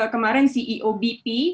kemarin ceo bp